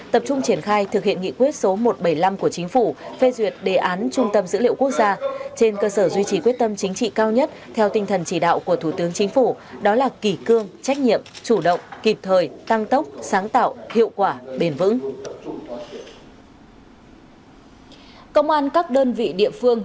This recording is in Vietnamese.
tập trung triển khai thực hiện nghị quyết số một trăm bảy mươi năm của chính phủ phê duyệt đề án trung tâm dữ liệu quốc gia trên cơ sở duy trì quyết tâm chính trị cao nhất theo tinh thần chỉ đạo của thủ tướng chính phủ đó là kỳ cương trách nhiệm chủ động kịp thời tăng tốc sáng tạo hiệu quả bền vững